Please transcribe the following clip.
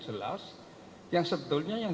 jelas yang sebetulnya yang